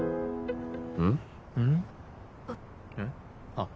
あっ。